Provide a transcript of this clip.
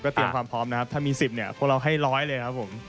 เตรียมความพร้อมนะครับถ้ามี๑๐เนี่ยพวกเราให้ร้อยเลยครับผม